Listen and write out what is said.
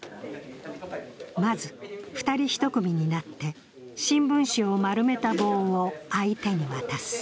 まず２人１組になって新聞紙を丸めた棒を相手に渡す。